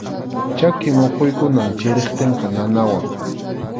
Chaki muquykunam chiriptinqa nanawan.